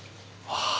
ああ。